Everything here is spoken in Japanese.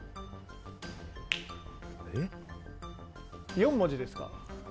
４文字ですか。